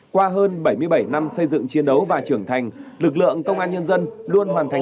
qua hơn bảy mươi bảy năm xây dựng chiến đấu và trưởng thành lực lượng công an nhân dân luôn hoàn thành